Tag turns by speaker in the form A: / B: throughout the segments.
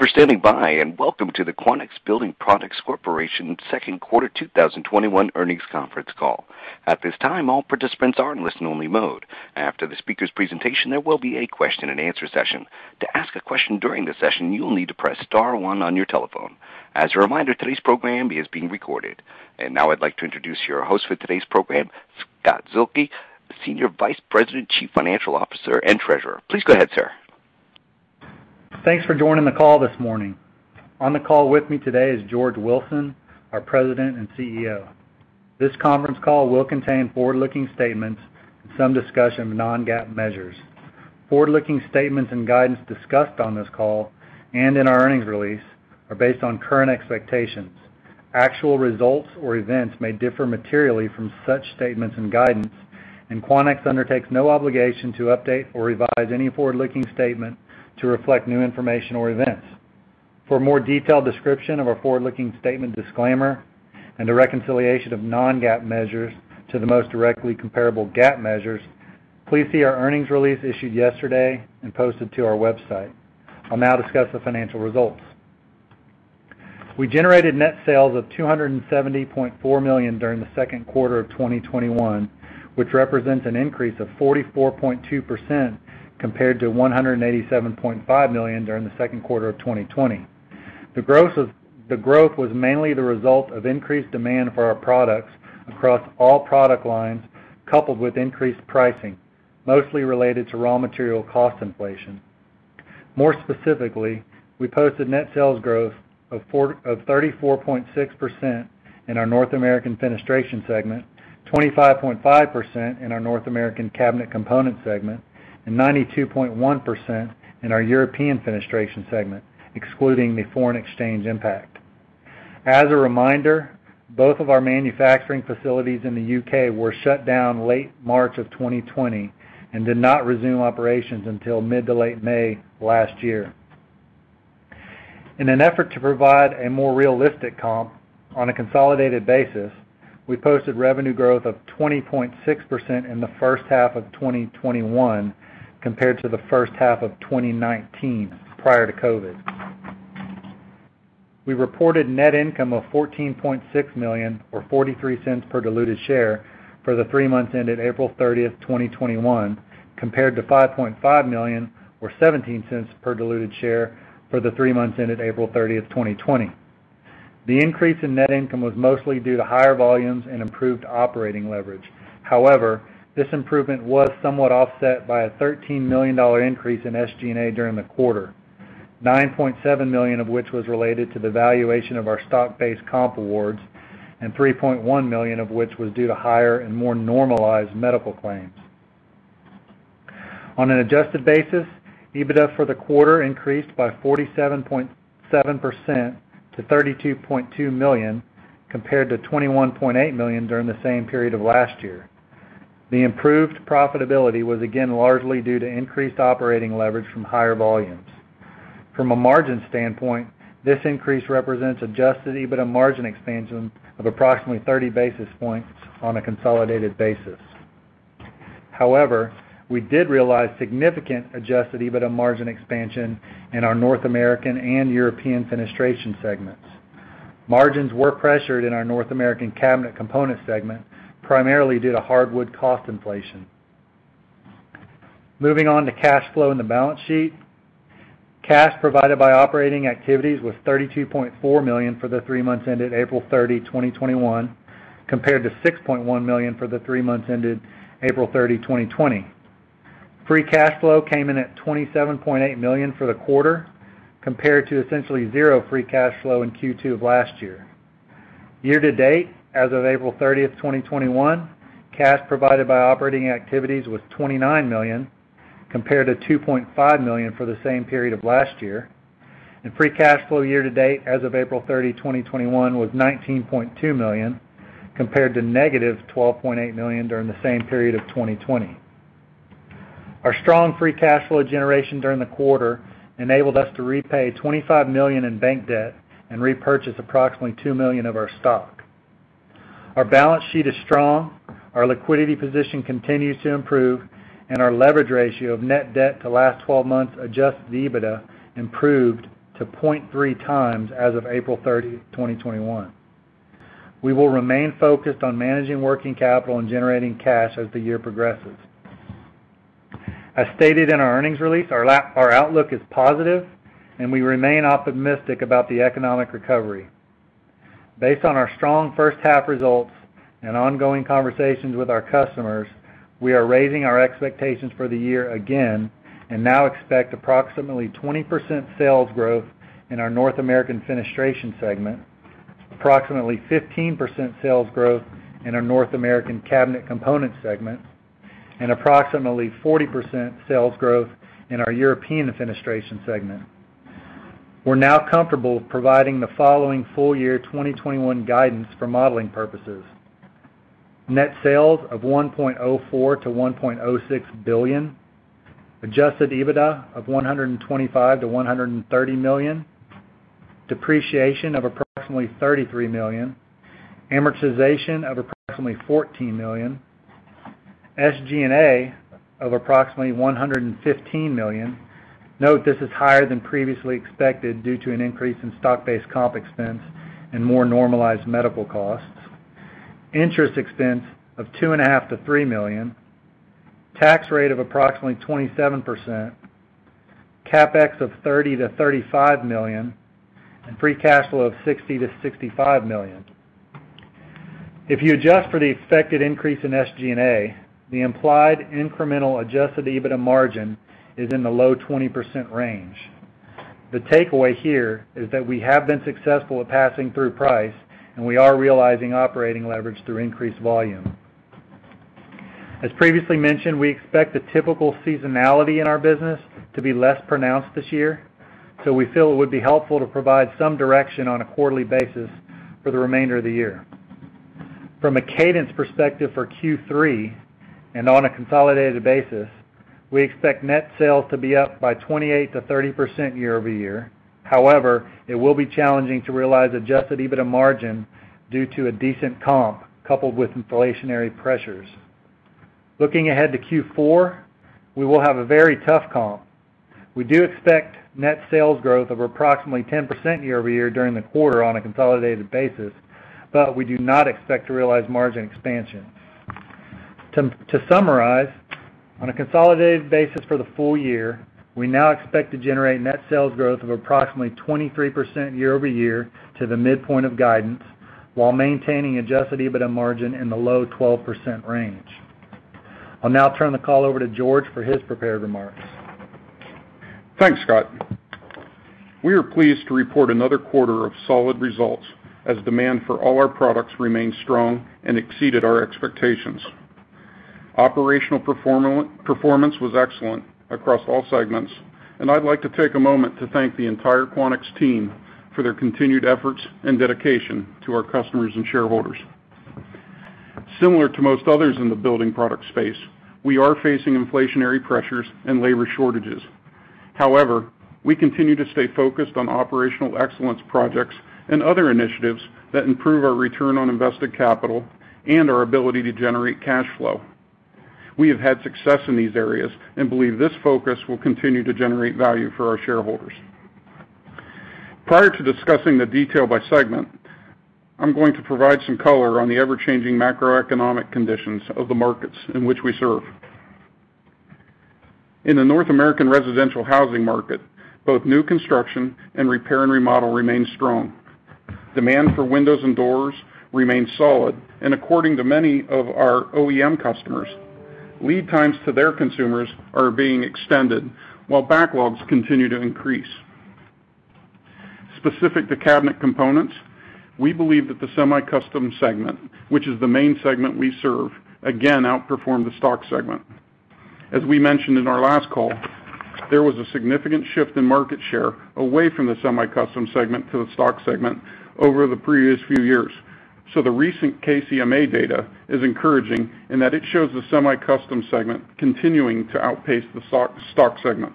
A: Thank you for standing by, welcome to the Quanex Building Products Corporation second quarter 2021 earnings conference call. At this time, all participants are in listen only mode. After the speaker's presentation, there will be a question and answer session. To ask a question during the session, you will need to press star one on your telephone. As a reminder, today's program is being recorded. Now I'd like to introduce your host for today's program, Scott Zuehlke, the Senior Vice President, Chief Financial Officer, and Treasurer. Please go ahead, sir.
B: Thanks for joining the call this morning. On the call with me today is George Wilson, our President and CEO. This conference call will contain forward-looking statements and some discussion of non-GAAP measures. Forward-looking statements and guidance discussed on this call and in our earnings release are based on current expectations. Actual results or events may differ materially from such statements and guidance. Quanex undertakes no obligation to update or revise any forward-looking statement to reflect new information or events. For a more detailed description of our forward-looking statement disclaimer and a reconciliation of non-GAAP measures to the most directly comparable GAAP measures, please see our earnings release issued yesterday and posted to our website. I'll now discuss the financial results. We generated net sales of $270.4 million during the second quarter of 2021, which represents an increase of 44.2% compared to $187.5 million during the second quarter of 2020. The growth was mainly the result of increased demand for our products across all product lines, coupled with increased pricing, mostly related to raw material cost inflation. More specifically, we posted net sales growth of 34.6% in our North American Fenestration segment, 25.5% in our North American Cabinet Components segment, and 92.1% in our European Fenestration segment, excluding the foreign exchange impact. As a reminder, both of our manufacturing facilities in the U.K. were shut down late March of 2020 and did not resume operations until mid to late May last year. In an effort to provide a more realistic comp on a consolidated basis, we posted revenue growth of 20.6% in the first half of 2021 compared to the first half of 2019 prior to COVID. We reported net income of $14.6 million or $0.43 per diluted share for the three months ended April 30, 2021, compared to $5.5 million or $0.17 per diluted share for the three months ended April 30, 2020. The increase in net income was mostly due to higher volumes and improved operating leverage. However, this improvement was somewhat offset by a $13 million increase in SG&A during the quarter, $9.7 million of which was related to the valuation of our stock-based comp awards and $3.1 million of which was due to higher and more normalized medical claims. On an adjusted basis, EBITDA for the quarter increased by 47.7% to $32.2 million, compared to $21.8 million during the same period of last year. The improved profitability was again largely due to increased operating leverage from higher volumes. From a margin standpoint, this increase represents adjusted EBITDA margin expansion of approximately 30 basis points on a consolidated basis. However, we did realize significant adjusted EBITDA margin expansion in our North American and European Fenestration segments. Margins were pressured in our North American Cabinet Components segment, primarily due to hardwood cost inflation. Moving on to cash flow and the balance sheet. Cash provided by operating activities was $32.4 million for the three months ended April 30, 2021, compared to $6.1 million for the three months ended April 30, 2020. Free cash flow came in at $27.8 million for the quarter, compared to essentially zero free cash flow in Q2 of last year. Year-to-date, as of April 30, 2021, cash provided by operating activities was $29 million, compared to $2.5 million for the same period of last year. Free cash flow year-to-date as of April 30, 2021, was $19.2 million, compared to -$12.8 million during the same period of 2020. Our strong free cash flow generation during the quarter enabled us to repay $25 million in bank debt and repurchase approximately $2 million of our stock. Our balance sheet is strong, our liquidity position continues to improve, our leverage ratio of net debt to last 12 months adjusted EBITDA improved to 0.3 times as of April 30, 2021. We will remain focused on managing working capital and generating cash as the year progresses. As stated in our earnings release, our outlook is positive, and we remain optimistic about the economic recovery. Based on our strong first half results and ongoing conversations with our customers, we are raising our expectations for the year again and now expect approximately 20% sales growth in our North American Fenestration segment, approximately 15% sales growth in our North American Cabinet Components segment, and approximately 40% sales growth in our European Fenestration segment. We're now comfortable providing the following full year 2021 guidance for modeling purposes. Net sales of $1.04 billion-$1.06 billion, adjusted EBITDA of $125 million-$130 million, depreciation of approximately $33 million, amortization of approximately $14 million. SG&A of approximately $115 million. Note this is higher than previously expected due to an increase in stock-based comp expense and more normalized medical costs. Interest expense of $2.5 million-$3 million. Tax rate of approximately 27%. CapEx of $30 million-$35 million, and free cash flow of $60 million-$65 million. If you adjust for the expected increase in SG&A, the implied incremental adjusted EBITDA margin is in the low 20% range. The takeaway here is that we have been successful at passing through price, and we are realizing operating leverage through increased volume. As previously mentioned, we expect the typical seasonality in our business to be less pronounced this year. We feel it would be helpful to provide some direction on a quarterly basis for the remainder of the year. From a cadence perspective for Q3, and on a consolidated basis, we expect net sales to be up by 28%-30% year-over-year. It will be challenging to realize adjusted EBITDA margin due to a decent comp coupled with inflationary pressures. Looking ahead to Q4, we will have a very tough comp. We do expect net sales growth of approximately 10% year-over-year during the quarter on a consolidated basis, but we do not expect to realize margin expansion. To summarize, on a consolidated basis for the full year, we now expect to generate net sales growth of approximately 23% year-over-year to the midpoint of guidance while maintaining adjusted EBITDA margin in the low 12% range. I'll now turn the call over to George for his prepared remarks.
C: Thanks, Scott. We are pleased to report another quarter of solid results as demand for all our products remained strong and exceeded our expectations. Operational performance was excellent across all segments, and I'd like to take a moment to thank the entire Quanex team for their continued efforts and dedication to our customers and shareholders. Similar to most others in the building product space, we are facing inflationary pressures and labor shortages. However, we continue to stay focused on operational excellence projects and other initiatives that improve our return on invested capital and our ability to generate cash flow. We have had success in these areas and believe this focus will continue to generate value for our shareholders. Prior to discussing the detail by segment, I'm going to provide some color on the ever-changing macroeconomic conditions of the markets in which we serve. In the North American residential housing market, both new construction and repair and remodel remain strong. Demand for windows and doors remains solid, and according to many of our OEM customers, lead times to their consumers are being extended while backlogs continue to increase. Specific to cabinet components, we believe that the semi-custom segment, which is the main segment we serve, again outperformed the stock segment. As we mentioned in our last call, there was a significant shift in market share away from the semi-custom segment to the stock segment over the previous few years. The recent KCMA data is encouraging in that it shows the semi-custom segment continuing to outpace the stock segment.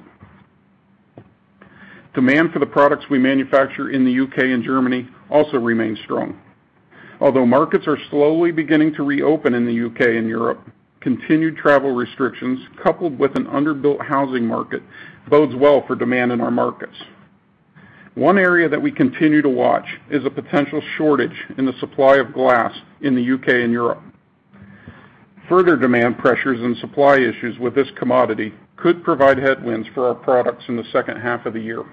C: Demand for the products we manufacture in the U.K. and Germany also remains strong. Although markets are slowly beginning to reopen in the U.K. and Europe, continued travel restrictions coupled with an underbuilt housing market bodes well for demand in our markets. One area that we continue to watch is a potential shortage in the supply of glass in the U.K. and Europe. Further demand pressures and supply issues with this commodity could provide headwinds for our products in the second half of the year.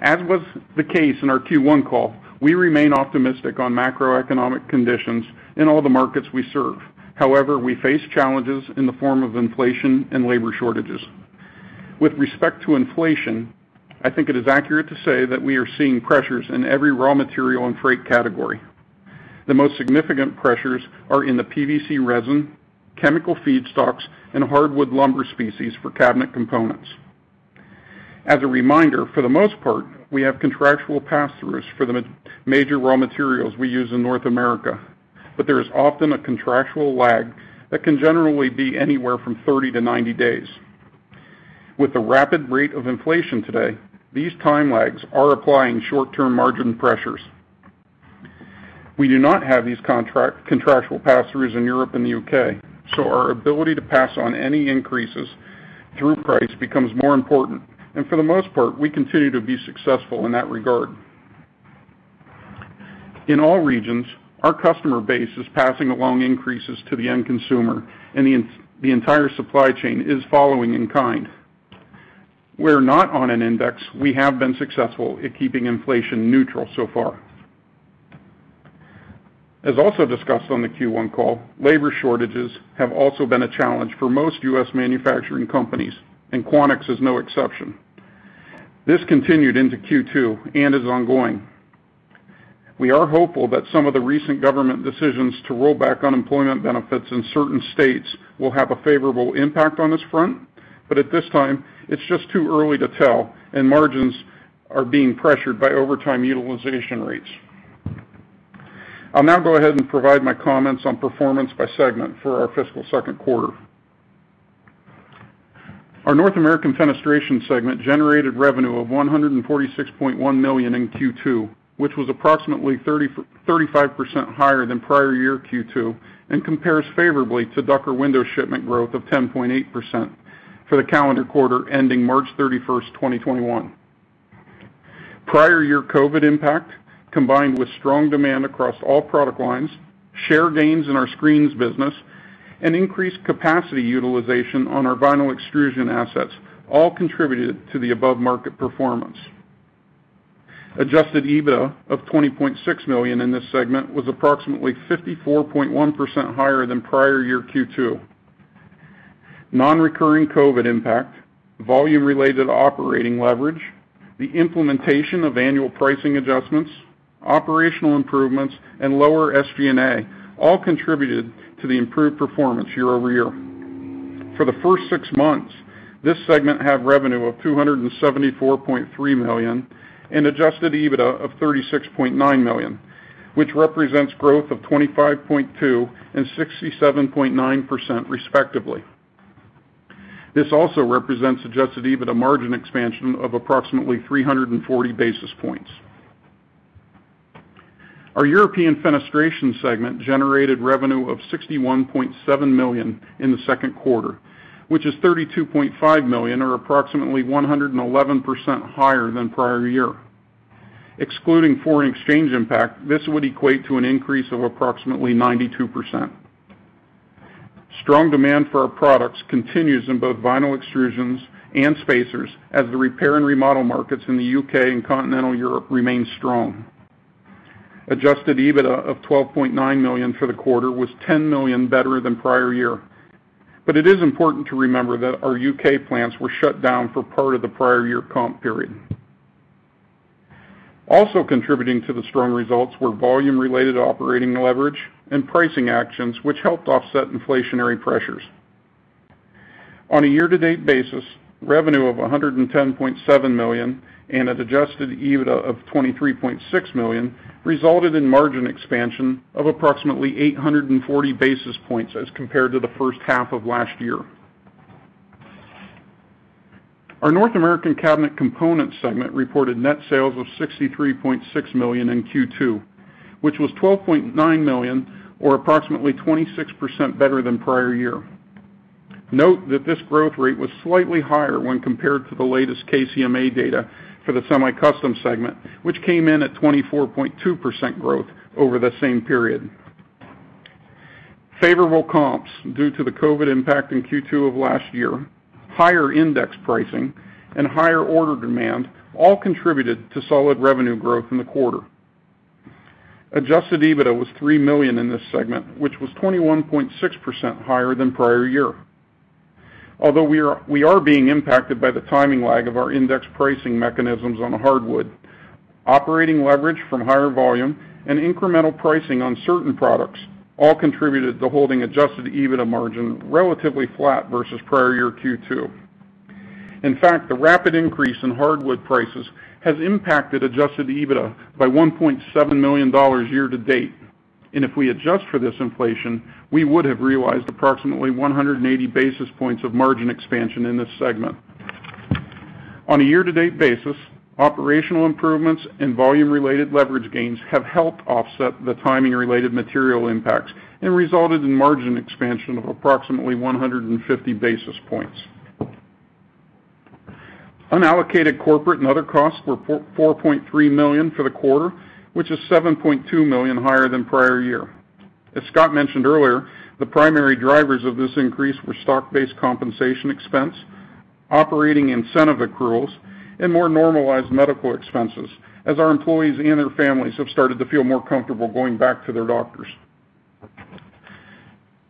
C: As was the case in our Q1 call, we remain optimistic on macroeconomic conditions in all the markets we serve. However, we face challenges in the form of inflation and labor shortages. With respect to inflation, I think it is accurate to say that we are seeing pressures in every raw material and freight category. The most significant pressures are in the PVC resin, chemical feedstocks, and hardwood lumber species for cabinet components. As a reminder, for the most part, we have contractual passthroughs for the major raw materials we use in North America. There is often a contractual lag that can generally be anywhere from 30-90 days. With the rapid rate of inflation today, these time lags are applying short-term margin pressures. We do not have these contractual passthroughs in Europe and the U.K., our ability to pass on any increases through price becomes more important, for the most part, we continue to be successful in that regard. In all regions, our customer base is passing along increases to the end consumer, the entire supply chain is following in kind. We're not on an index. We have been successful at keeping inflation neutral so far. As also discussed on the Q1 call, labor shortages have also been a challenge for most U.S. manufacturing companies, Quanex is no exception. This continued into Q2, is ongoing. We are hopeful that some of the recent government decisions to roll back unemployment benefits in certain states will have a favorable impact on this front, at this time, it's just too early to tell, margins are being pressured by overtime utilization rates. I'll now go ahead and provide my comments on performance by segment for our fiscal second quarter. Our North American Fenestration segment generated revenue of $146.1 million in Q2, which was approximately 35% higher than prior year Q2 and compares favorably to Ducker window shipment growth of 10.8% for the calendar quarter ending March 31st, 2021. Prior year COVID impact, combined with strong demand across all product lines, share gains in our screens business, and increased capacity utilization on our vinyl extrusion assets, all contributed to the above-market performance. Adjusted EBITDA of $20.6 million in this segment was approximately 54.1% higher than prior year Q2. Non-recurring COVID impact, volume-related operating leverage, the implementation of annual pricing adjustments, operational improvements, and lower SG&A all contributed to the improved performance year-over-year. For the first six months, this segment had revenue of $274.3 million and adjusted EBITDA of $36.9 million, which represents growth of 25.2% and 67.9%, respectively. This also represents adjusted EBITDA margin expansion of approximately 340 basis points. Our European Fenestration segment generated revenue of $61.7 million in the second quarter, which is $32.5 million or approximately 111% higher than prior year. Excluding foreign exchange impact, this would equate to an increase of approximately 92%. Strong demand for our products continues in both vinyl extrusions and spacers as the repair and remodel markets in the U.K. and continental Europe remain strong. Adjusted EBITDA of $12.9 million for the quarter was $10 million better than prior year. It is important to remember that our U.K. plants were shut down for part of the prior year comp period. Also contributing to the strong results were volume-related operating leverage and pricing actions, which helped offset inflationary pressures. On a year-to-date basis, revenue of $110.7 million and an adjusted EBITDA of $23.6 million resulted in margin expansion of approximately 840 basis points as compared to the first half of last year. Our North American Cabinet Components segment reported net sales of $63.6 million in Q2, which was $12.9 million, or approximately 26% better than prior year. Note that this growth rate was slightly higher when compared to the latest KCMA data for the semi-custom segment, which came in at 24.2% growth over the same period. Favorable comps due to the COVID impact in Q2 of last year, higher index pricing, and higher order demand all contributed to solid revenue growth in the quarter. Adjusted EBITDA was $3 million in this segment, which was 21.6% higher than prior year. Although we are being impacted by the timing lag of our index pricing mechanisms on hardwood, operating leverage from higher volume and incremental pricing on certain products all contributed to holding adjusted EBITDA margin relatively flat versus prior year Q2. In fact, the rapid increase in hardwood prices has impacted adjusted EBITDA by $1.7 million year-to-date. If we adjust for this inflation, we would have realized approximately 180 basis points of margin expansion in this segment. On a year-to-date basis, operational improvements and volume-related leverage gains have helped offset the timing-related material impacts and resulted in margin expansion of approximately 150 basis points. Unallocated corporate and other costs were $4.3 million for the quarter, which is $7.2 million higher than prior year. As Scott mentioned earlier, the primary drivers of this increase were stock-based compensation expense, operating incentive accruals, and more normalized medical expenses, as our employees and their families have started to feel more comfortable going back to their doctors.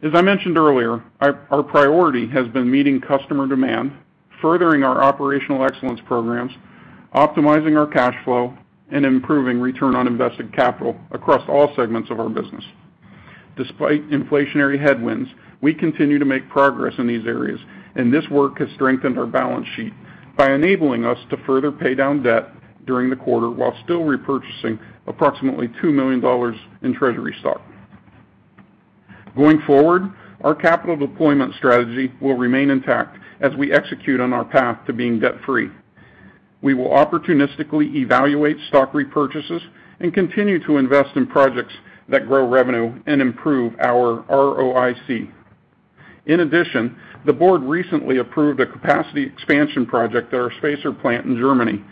C: As I mentioned earlier, our priority has been meeting customer demand, furthering our operational excellence programs, optimizing our cash flow, and improving return on invested capital across all segments of our business. Despite inflationary headwinds, we continue to make progress in these areas. This work has strengthened our balance sheet by enabling us to further pay down debt during the quarter while still repurchasing approximately $2 million in treasury stock. Going forward, our capital deployment strategy will remain intact as we execute on our path to being debt-free. We will opportunistically evaluate stock repurchases and continue to invest in projects that grow revenue and improve our ROIC. In addition, the board recently approved a capacity expansion project at our spacer plant in Germany.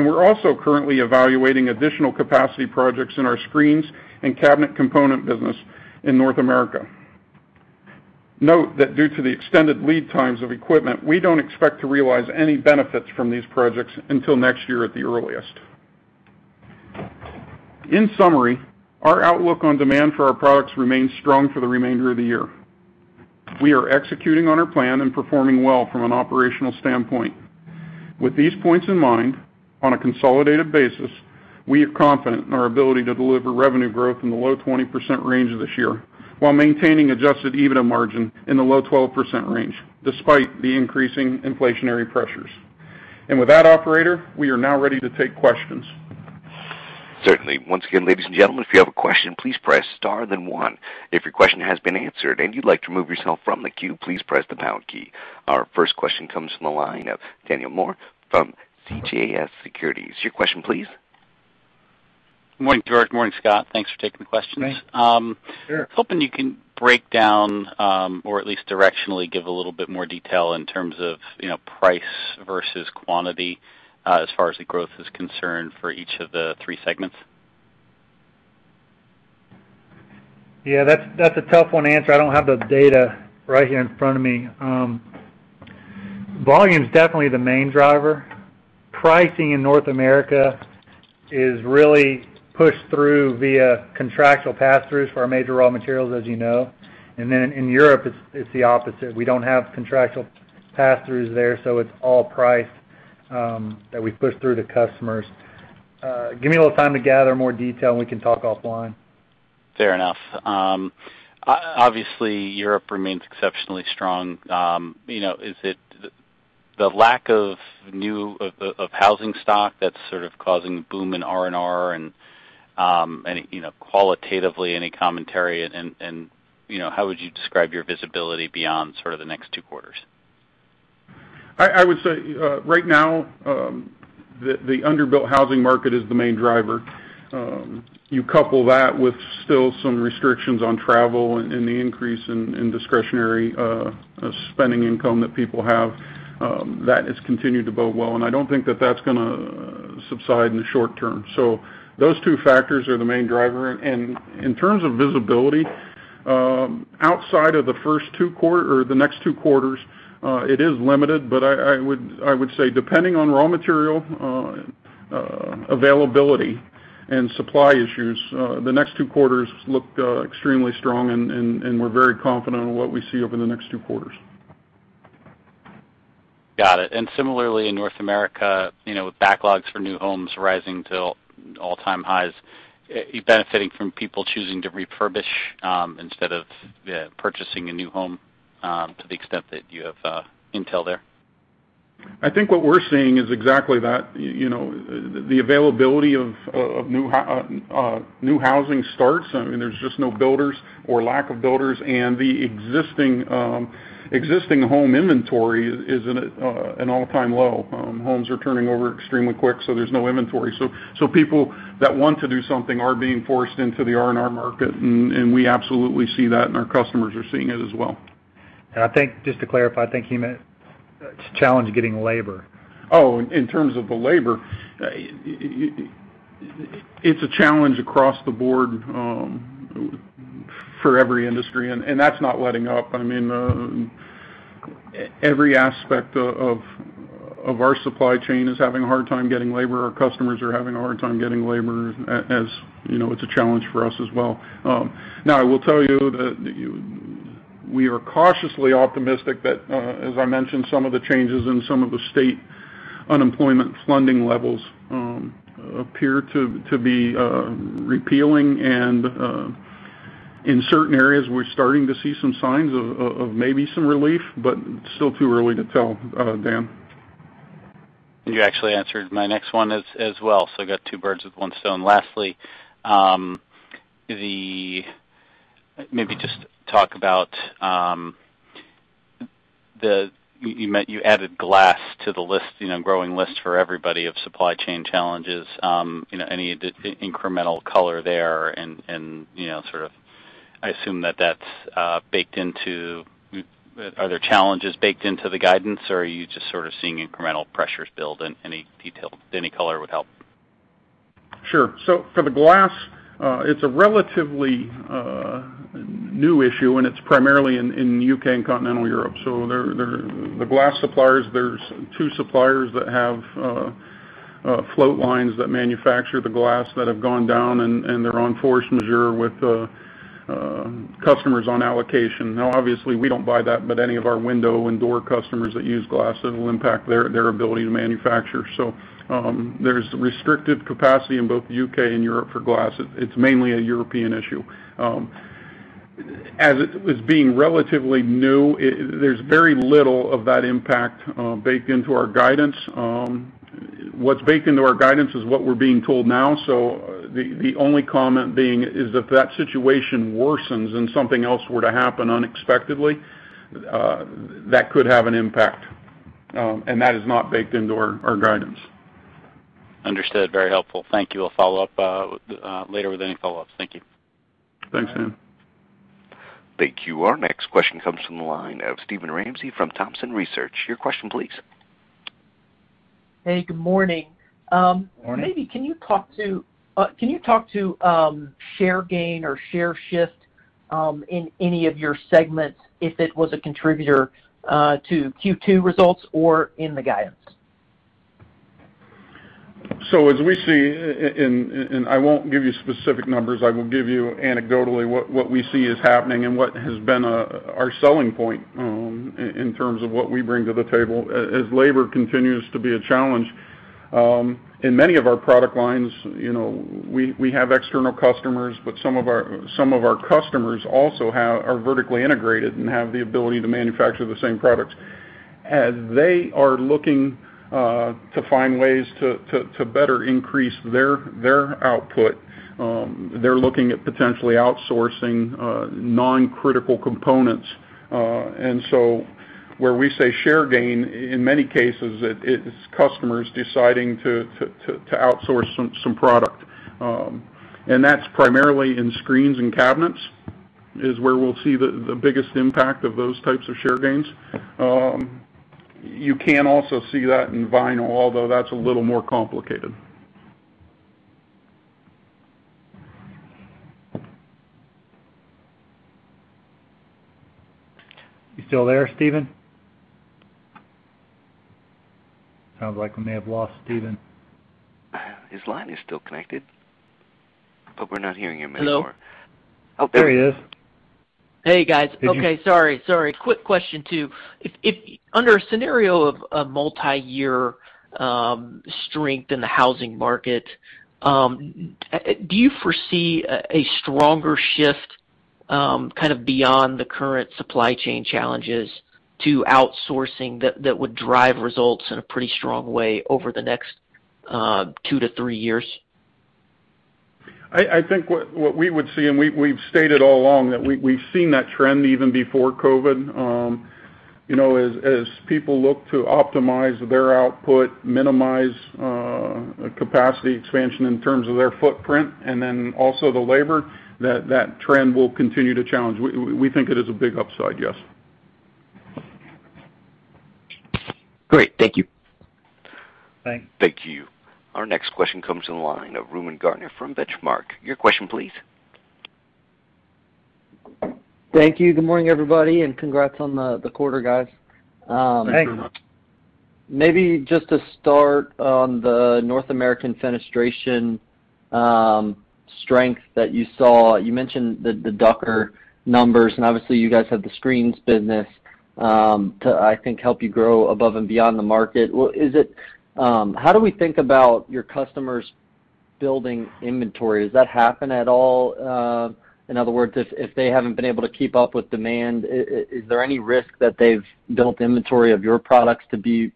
C: We're also currently evaluating additional capacity projects in our screens and cabinet component business in North America. Note that due to the extended lead times of equipment, we don't expect to realize any benefits from these projects until next year at the earliest. In summary, our outlook on demand for our products remains strong for the remainder of the year. We are executing on our plan and performing well from an operational standpoint. With these points in mind, on a consolidated basis, we are confident in our ability to deliver revenue growth in the low 20% range this year while maintaining adjusted EBITDA margin in the low 12% range despite the increasing inflationary pressures. With that, operator, we are now ready to take questions.
A: Certainly. Once again, ladies and gentlemen, if you have a question, please press star then one. If your question has been answered and you'd like to remove yourself from the queue, please press the pound key. Our first question comes from the line of Daniel Moore from CJS Securities. Your question please.
D: Good morning, George. Good morning, Scott. Thanks for taking the questions.
C: Sure.
D: Hoping you can break down or at least directionally give a little bit more detail in terms of price versus quantity as far as the growth is concerned for each of the three segments.
C: Yeah, that's a tough one to answer. I don't have the data right here in front of me. Volume's definitely the main driver. Pricing in North America is really pushed through via contractual pass-throughs for our major raw materials, as you know. In Europe, it's the opposite. We don't have contractual pass-throughs there, so it's all price that we push through to customers. Give me a little time to gather more detail, and we can talk offline.
D: Fair enough. Obviously, Europe remains exceptionally strong. Is it the lack of housing stock that's sort of causing a boom in R&R and qualitatively any commentary and how would you describe your visibility beyond sort of the next two quarters?
C: I would say right now, the underbuilt housing market is the main driver. You couple that with still some restrictions on travel and the increase in discretionary spending income that people have, that has continued to bode well, and I don't think that's going to subside in the short term. Those two factors are the main driver. In terms of visibility, outside of the next two quarters, it is limited, but I would say depending on raw material availability and supply issues, the next two quarters look extremely strong, and we're very confident in what we see over the next two quarters.
D: Got it. Similarly in North America, with backlogs for new homes rising to all-time highs, benefiting from people choosing to refurbish instead of purchasing a new home, to the extent that you have intel there.
C: I think what we're seeing is exactly that. The availability of new housing starts, I mean, there's just no builders or lack of builders, and the existing home inventory is at an all-time low. Homes are turning over extremely quick, so there's no inventory. People that want to do something are being forced into the R&R market, and we absolutely see that, and our customers are seeing it as well.
B: I think just to clarify, I think he meant it's a challenge getting labor.
C: In terms of the labor, it's a challenge across the board for every industry, that's not letting up. I mean, every aspect of our supply chain is having a hard time getting labor. Our customers are having a hard time getting labor. It's a challenge for us as well. I will tell you that we are cautiously optimistic that as I mentioned, some of the changes in some of the state unemployment funding levels appear to be repealing, in certain areas, we're starting to see some signs of maybe some relief, still too early to tell, Dan.
D: You actually answered my next one as well. I got two birds with one stone. Lastly, maybe just talk about you added glass to the growing list for everybody of supply chain challenges. Any incremental color there. Are there challenges baked into the guidance, or are you just sort of seeing incremental pressures build and any detail, any color would help?
C: Sure. For the glass, it's a relatively new issue, and it's primarily in the U.K. and continental Europe. The glass suppliers, there's two suppliers that have float lines that manufacture the glass that have gone down, and they're on force majeure with the customers on allocation. Now, obviously, we don't buy that, but any of our window and door customers that use glass, it'll impact their ability to manufacture. There's restricted capacity in both the U.K. and Europe for glass. It's mainly a European issue. As it is being relatively new, there's very little of that impact baked into our guidance. What's baked into our guidance is what we're being told now. The only comment being is if that situation worsens and something else were to happen unexpectedly, that could have an impact, and that is not baked into our guidance.
D: Understood. Very helpful. Thank you. I'll follow up later with any follow-ups. Thank you.
C: Thanks, Dan.
A: Thank you. Our next question comes from the line of Steven Ramsey from Thompson Research. Your question please.
E: Hey, good morning.
C: Morning.
E: Maybe can you talk to share gain or share shift in any of your segments if it was a contributor to Q2 results or in the guidance?
C: As we see, and I won't give you specific numbers, I will give you anecdotally what we see is happening and what has been our selling point in terms of what we bring to the table. As labor continues to be a challenge in many of our product lines, we have external customers, but some of our customers also are vertically integrated and have the ability to manufacture the same products. They are looking to find ways to better increase their output, they're looking at potentially outsourcing non-critical components. Where we say share gain, in many cases, it's customers deciding to outsource some product. That's primarily in screens and cabinets is where we'll see the biggest impact of those types of share gains. You can also see that in vinyl, although that's a little more complicated. You still there, Steven? Sounds like we may have lost Steven.
A: His line is still connected, but we're not hearing him anymore.
E: Hello?
C: Oh, there he is.
E: Hey, guys. Okay. Sorry. Quick question, too. Under a scenario of a multi-year strength in the housing market, do you foresee a stronger shift kind of beyond the current supply chain challenges to outsourcing that would drive results in a pretty strong way over the next two to three years?
C: I think what we would see, and we've stated all along, that we've seen that trend even before COVID. As people look to optimize their output, minimize capacity expansion in terms of their footprint, and then also the labor, that trend will continue to challenge. We think it is a big upside, yes.
E: Great. Thank you.
C: Bye.
A: Thank you. Our next question comes in the line of Reuben Garner from Benchmark. Your question please.
F: Thank you. Good morning, everybody, and congrats on the quarter, guys.
C: Thanks.
F: Maybe just to start on the North American fenestration strength that you saw. You mentioned the Ducker numbers, and obviously you guys have the screens business to, I think, help you grow above and beyond the market. How do we think about your customers building inventory? Does that happen at all? In other words, if they haven't been able to keep up with demand, is there any risk that they've built inventory of your products to be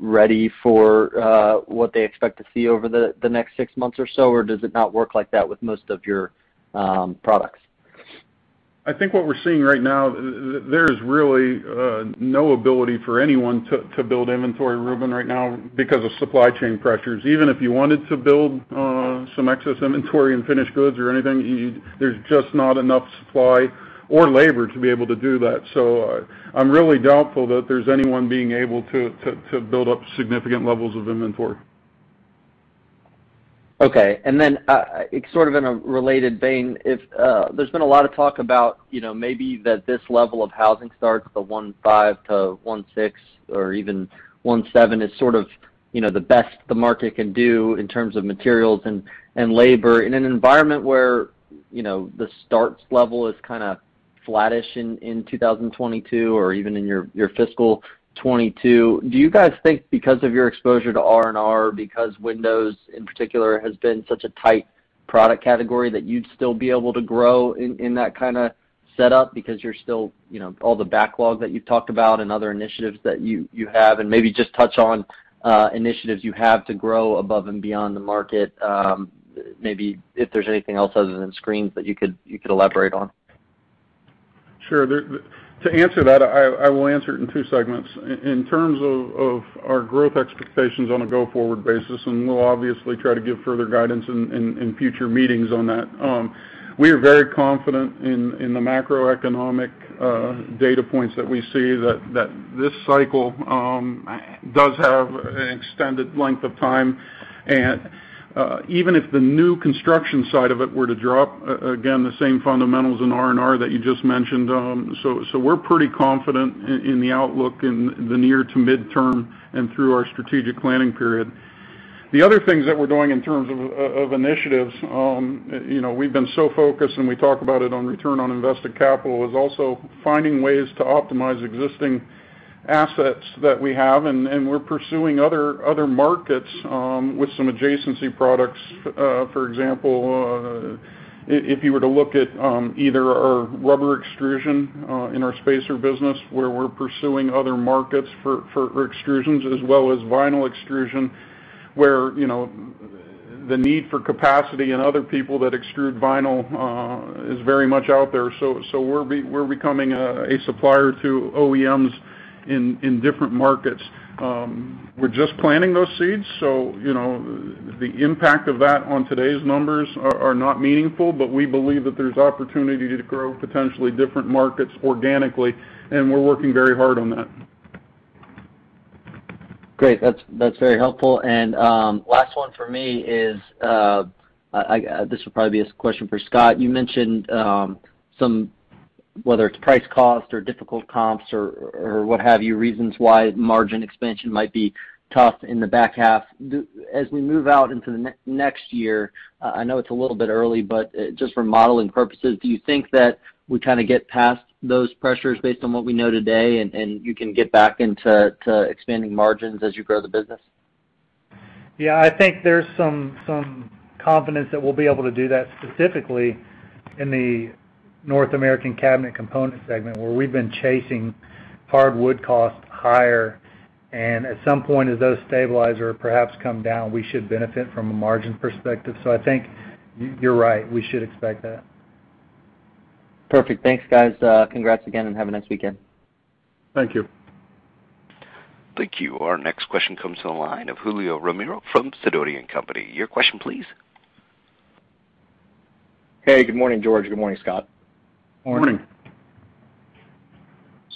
F: ready for what they expect to see over the next six months or so, or does it not work like that with most of your products?
C: I think what we're seeing right now, there's really no ability for anyone to build inventory, Reuben, right now because of supply chain pressures. Even if you wanted to build some excess inventory and finished goods or anything, there's just not enough supply or labor to be able to do that. I'm really doubtful that there's anyone being able to build up significant levels of inventory.
F: Okay. Sort of in a related vein, there's been a lot of talk about maybe that this level of housing starts at the 1.5 to 1.6 or even 1.7 is sort of the best the market can do in terms of materials and labor. In an environment where the starts level is kind of flattish in 2022 or even in your fiscal 2022, do you guys think because of your exposure to R&R, because windows in particular has been such a tight product category, that you'd still be able to grow in that kind of setup because you're still all the backlog that you talked about and other initiatives that you have? Maybe just touch on initiatives you have to grow above and beyond the market. Maybe if there's anything else other than screens that you could elaborate on.
C: Sure. To answer that, I will answer it in two segments. In terms of our growth expectations on a go-forward basis, we'll obviously try to give further guidance in future meetings on that. We are very confident in the macroeconomic data points that we see that this cycle does have an extended length of time. Even if the new construction side of it were to drop again, the same fundamentals in R&R that you just mentioned. We're pretty confident in the outlook in the near to midterm and through our strategic planning period. The other things that we're doing in terms of initiatives, we've been so focused, and we talk about it on return on invested capital, is also finding ways to optimize existing assets that we have, and we're pursuing other markets with some adjacency products. For example, if you were to look at either our rubber extrusion in our spacer business, where we're pursuing other markets for extrusions as well as vinyl extrusion, where the need for capacity and other people that extrude vinyl is very much out there. We're becoming a supplier to OEMs in different markets. We're just planting those seeds, the impact of that on today's numbers are not meaningful. We believe that there's opportunity to grow potentially different markets organically, and we're working very hard on that.
F: Great. That's very helpful. Last one for me is, this will probably be a question for Scott. You mentioned some, whether it's price cost or difficult comps or what have you, reasons why margin expansion might be tough in the back half. As we move out into next year, I know it's a little bit early, but just for modeling purposes, do you think that we kind of get past those pressures based on what we know today, and you can get back into expanding margins as you grow the business?
B: Yeah, I think there's some confidence that we'll be able to do that specifically in the North American Cabinet Components segment, where we've been chasing hardwood costs higher. At some point, as those stabilizer perhaps come down, we should benefit from a margin perspective. I think you're right. We should expect that.
F: Perfect. Thanks, guys. Congrats again, and have a nice weekend.
C: Thank you.
A: Thank you. Our next question comes to the line of Julio Romero from Sidoti & Company. Your question, please.
G: Hey, good morning, George. Good morning, Scott.
C: Morning.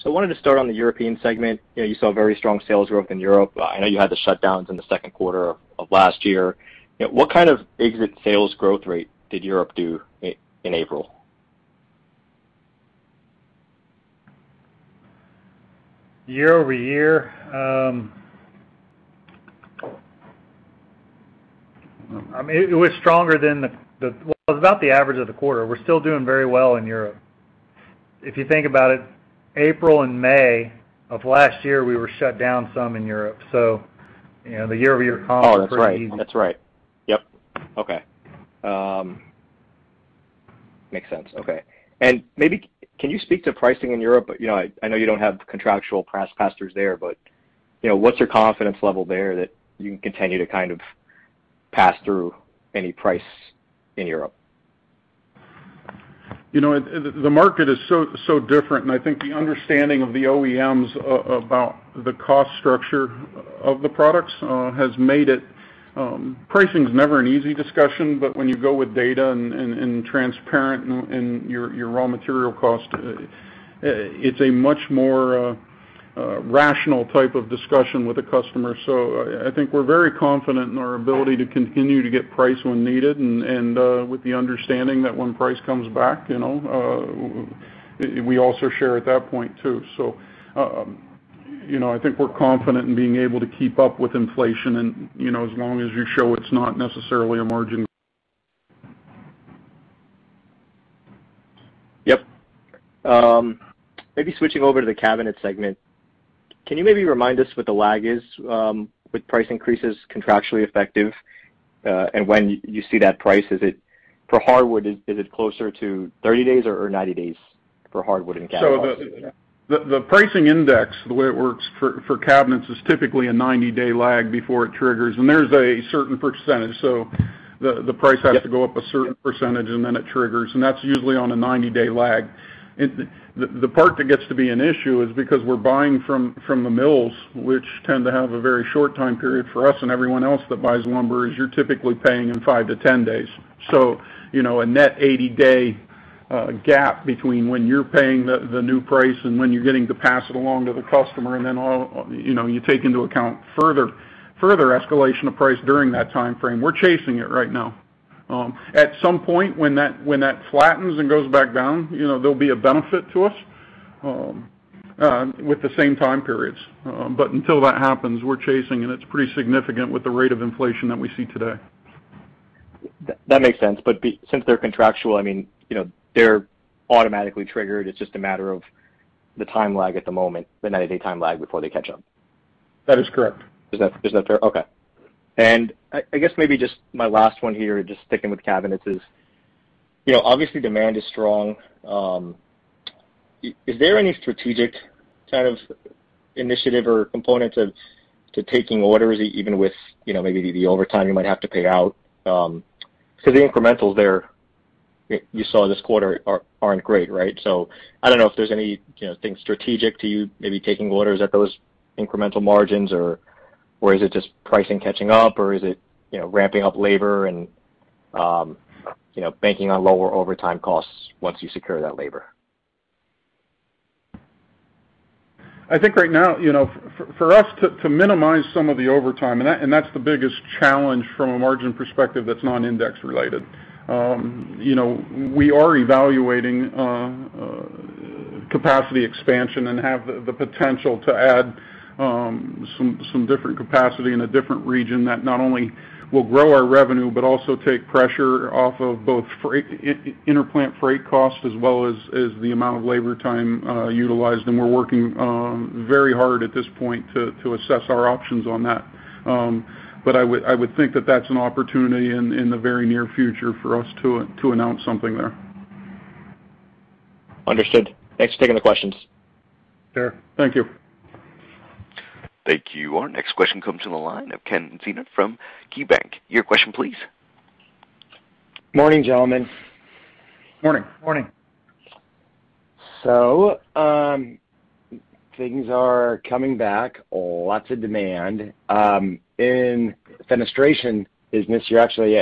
G: I wanted to start on the European segment. You saw very strong sales growth in Europe. I know you had to shut down from the second quarter of last year. What kind of exit sales growth rate did Europe do in April?
C: Year-over-year? Well, it was about the average of the quarter. We're still doing very well in Europe. If you think about it, April and May of last year, we were shut down some in Europe. The year-over-year
G: Oh, that's right.
C: Comp is pretty easy
G: Yep. Okay. Makes sense. Okay. Maybe can you speak to pricing in Europe? I know you don't have contractual pass-throughs there, but what's your confidence level there that you can continue to kind of pass through any price in Europe?
C: The market is so different. I think the understanding of the OEMs about the cost structure of the products has made it. Pricing is never an easy discussion, but when you go with data and transparent in your raw material cost, it's a much more rational type of discussion with a customer. I think we're very confident in our ability to continue to get price when needed and with the understanding that when price comes back, we also share at that point, too. I think we're confident in being able to keep up with inflation, and as long as you show it's not necessarily a margin.
G: Yep. Maybe switching over to the cabinet segment. Can you maybe remind us what the lag is with price increases contractually effective? When you see that price, for hardwood, is it closer to 30 days or 90 days for hardwood in cabinets?
C: The pricing index, the way it works for cabinets, is typically a 90-day lag before it triggers, and there's a certain percentage. The price has to go up a certain percentage, and then it triggers, and that's usually on a 90-day lag. The part that gets to be an issue is because we're buying from the mills, which tend to have a very short time period for us and everyone else that buys lumber, is you're typically paying in five to 10 days. A net 80-day gap between when you're paying the new price and when you're getting to pass it along to the customer. You take into account further escalation of price during that timeframe. We're chasing it right now. At some point, when that flattens and goes back down, there'll be a benefit to us with the same time periods. Until that happens, we're chasing, and it's pretty significant with the rate of inflation that we see today.
G: That makes sense. Since they're contractual, they're automatically triggered. It's just a matter of the time lag at the moment, the 90-day time lag before they catch up.
C: That is correct.
G: Okay. I guess maybe just my last one here, just sticking with cabinets is, obviously demand is strong. Is there any strategic kind of initiative or component to taking orders, even with maybe the overtime you might have to pay out? The incrementals there you saw this quarter aren't great, right? I don't know if there's anything strategic to you maybe taking orders at those incremental margins, or is it just pricing catching up, or is it ramping up labor and banking on lower overtime costs once you secure that labor?
C: I think right now, for us to minimize some of the overtime, and that's the biggest challenge from a margin perspective that's non-index related. We are evaluating capacity expansion and have the potential to add some different capacity in a different region that not only will grow our revenue but also take pressure off of both inter-plant freight costs as well as the amount of labor time utilized. We're working very hard at this point to assess our options on that. I would think that that's an opportunity in the very near future for us to announce something there.
G: Understood. Thanks for taking the questions.
C: Sure. Thank you.
A: Thank you. Our next question comes from the line of Ken Zener from KeyBanc. Your question, please.
H: Morning, gentlemen.
C: Morning.
B: Morning.
H: Things are coming back. Lots of demand. In fenestration business, you're actually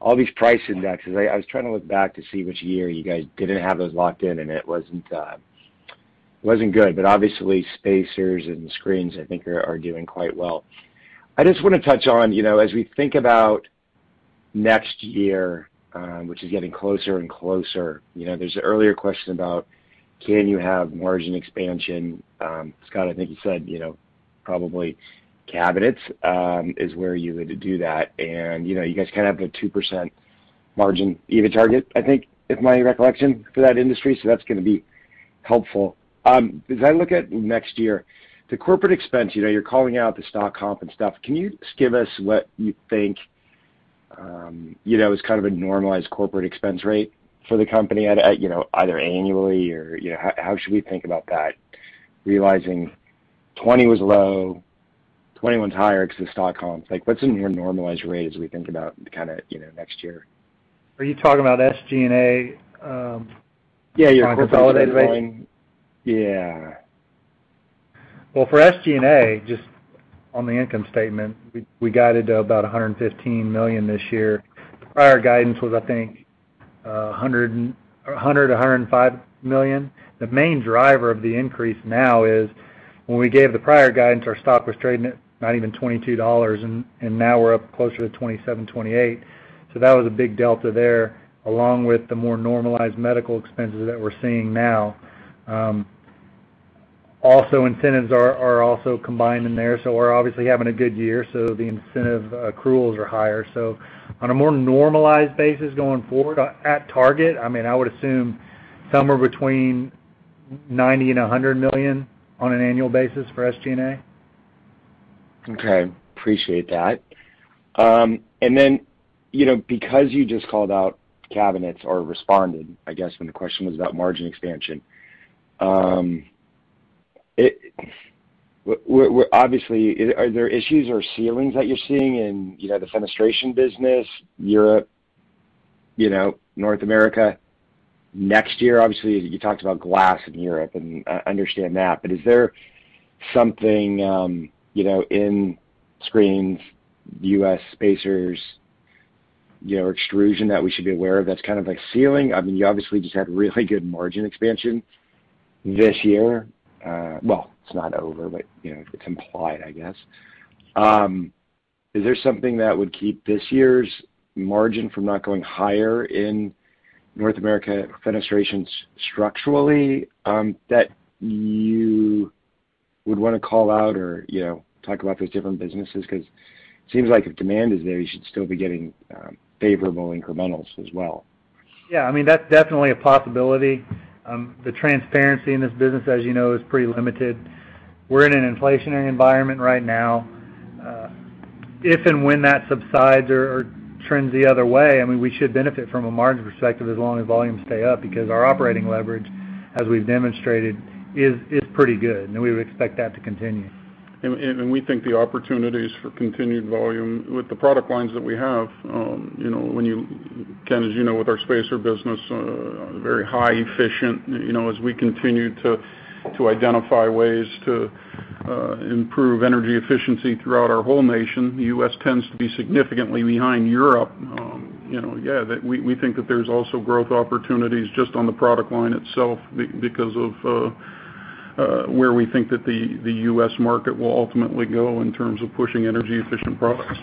H: all these price increases. I was trying to look back to see which year you guys didn't have those locked in, and it wasn't good. Obviously, spacers and screens, I think, are doing quite well. I just want to touch on, as we think about next year, which is getting closer and closer. There's an earlier question about can you have margin expansion? Scott, I think you said, probably cabinets is where you would do that. You guys kind of have a 2% margin EBITDA target, I think, if my recollection for that industry. That's going to be helpful. If I look at next year, the corporate expense, you're calling out the stock comp and stuff. Can you just give us what you think is a normalized corporate expense rate for the company at either annually or how should we think about that? Realizing 2020 was low, 2021's higher because of stock comp. What's in your normalized rate as we think about next year?
B: Are you talking about SG&A?
H: Yeah, your consolidated-
B: On a consolidated basis?
H: Yeah.
B: Well, for SG&A, just on the income statement, we guided to about $115 million this year. The prior guidance was, I think, $100 million-$105 million. The main driver of the increase now is when we gave the prior guidance, our stock was trading at not even $22, and now we're up closer to $27-$28. That was a big delta there, along with the more normalized medical expenses that we're seeing now. Also incentives are also combined in there. We're obviously having a good year, so the incentive accruals are higher. On a more normalized basis going forward at target, I would assume somewhere between $90 million and $100 million on an annual basis for SG&A.
H: Okay. Appreciate that. Because you just called out cabinets or responded, I guess, when the question was about margin expansion. Obviously, are there issues or ceilings that you're seeing in the fenestration business, Europe, North America next year? Obviously, you talked about glass in Europe, and I understand that. Is there something in screens, U.S. spacers, extrusion that we should be aware of that's like a ceiling? You obviously just had really good margin expansion this year. Well, it's not over, but it's implied, I guess. Is there something that would keep this year's margin from not going higher in North America fenestrations structurally that you would want to call out or talk about those different businesses? It seems like if demand is there, you should still be getting favorable incrementals as well.
B: Yeah, that's definitely a possibility. The transparency in this business, as you know, is pretty limited. We're in an inflationary environment right now. If and when that subsides or turns the other way, we should benefit from a margin perspective as long as volumes stay up, because our operating leverage, as we've demonstrated, is pretty good, and we would expect that to continue.
C: We think the opportunities for continued volume with the product lines that we have. Ken, as you know, with our spacer business, very high efficient, as we continue to identify ways to improve energy efficiency throughout our whole nation. The U.S. tends to be significantly behind Europe. We think that there's also growth opportunities just on the product line itself because of where we think that the U.S. market will ultimately go in terms of pushing energy efficient products.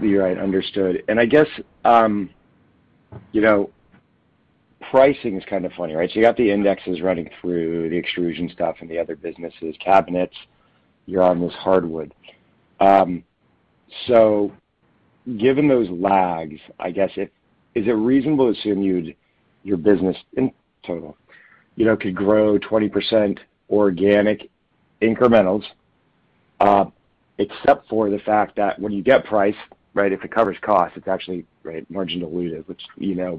H: Yeah, understood. I guess, pricing is kind of funny, right? You got the indexes running through the extrusion stuff and the other businesses, cabinets, you're on with hardwood. Given those lags, I guess is it reasonable to assume your business in total could grow 20% organic incrementals, except for the fact that when you get price, if it covers cost, it's actually margin diluted, which you know.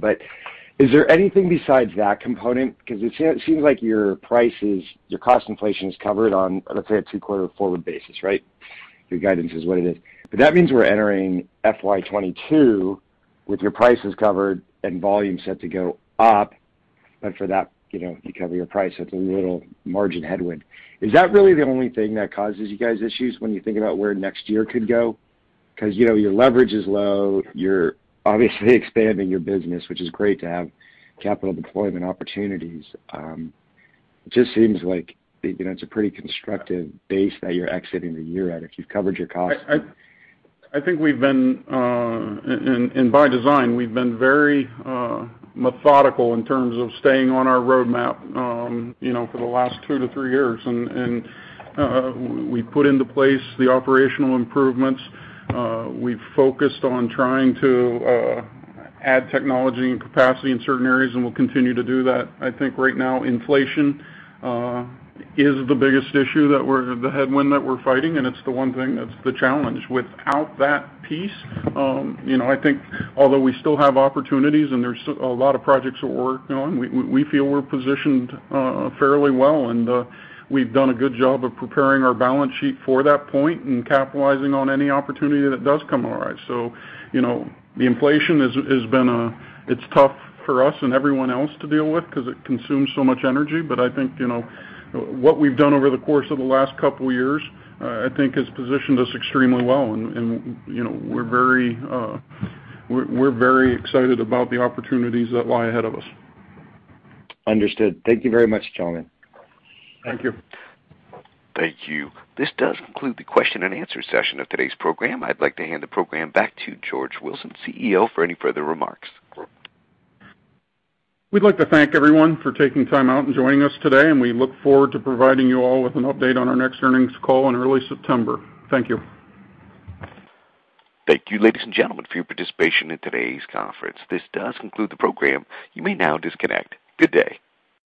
H: Is there anything besides that component? Because it seems like your prices, your cost inflation is covered on a third two quarter forward basis, right? Your guidance is weighted. That means we're entering FY22 with your prices covered and volumes set to go up. For that, because of your price, that's a little margin headwind. Is that really the only thing that causes you guys issues when you think about where next year could go? Because your leverage is low, you're obviously expanding your business, which is great to have capital employment opportunities. It just seems like it's a pretty constructive base that you're exiting the year at, if you've covered your costs.
C: I think we've been, and by design, we've been very methodical in terms of staying on our roadmap for the last two to three years. We put into place the operational improvements. We've focused on trying to add technology and capacity in certain areas, and we'll continue to do that. I think right now inflation is the biggest issue that we're the headwind that we're fighting, and it's the one thing that's the challenge. Without that piece, I think although we still have opportunities and there's a lot of projects that we're working on, we feel we're positioned fairly well, and we've done a good job of preparing our balance sheet for that point and capitalizing on any opportunity that does come our way. The inflation it's tough for us and everyone else to deal with because it consumes so much energy. I think, what we've done over the course of the last couple of years, I think has positioned us extremely well. We're very excited about the opportunities that lie ahead of us.
H: Understood. Thank you very much, gentlemen.
C: Thank you.
A: Thank you. This does conclude the question and answer session of today's program. I'd like to hand the program back to George Wilson, CEO, for any further remarks.
C: We'd like to thank everyone for taking time out and joining us today, and we look forward to providing you all with an update on our next earnings call in early September. Thank you.
A: Thank you, ladies and gentlemen, for your participation in today's conference. This does conclude the program. You may now disconnect. Good day.